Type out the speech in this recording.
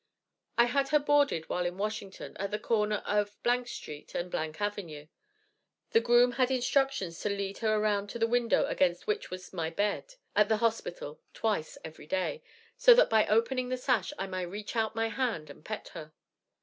I had her boarded while in Washington at the corner of Street and Avenue. The groom had instructions to lead her around to the window against which was my bed, at the hospital, twice every day, so that by opening the sash I might reach out my hand and pet her.